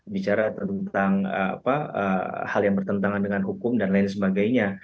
bicara tentang hal yang bertentangan dengan hukum dan lain sebagainya